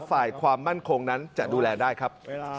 ฝ่ายความมั่นคงนั้นจะดูแลได้ครับ